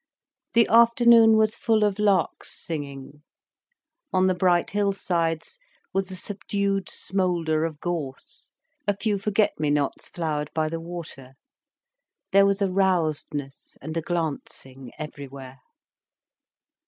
The afternoon was full of larks' singing. On the bright hill sides was a subdued smoulder of gorse. A few forget me nots flowered by the water. There was a rousedness and a glancing everywhere.